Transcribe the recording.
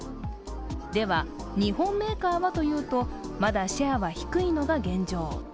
では日本メーカーはというと、まだシェアは低いのが現状。